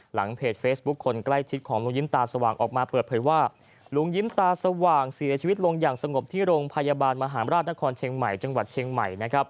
หลังเพจเฟซบุ๊คคนใกล้ชิดของลงยิ้มตาของลงยิ้มตาสว่างออกมาเปลี่ยนให้ว่า